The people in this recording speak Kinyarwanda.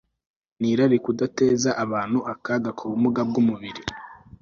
nirari kuzateza abantu akaga kubumuga bwumubiri